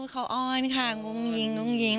อ๋อเขาอ้อนครับงุฦงยิง